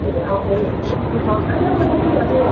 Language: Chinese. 电动机转子就旋转起来了。